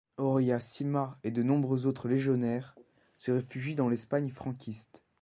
Horia Sima et de nombreux autres légionnaires se réfugient dans l'Espagne franquiste.